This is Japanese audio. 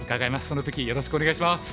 その時よろしくお願いします。